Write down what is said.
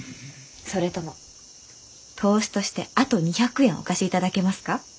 それとも投資としてあと２００円お貸しいただけますか？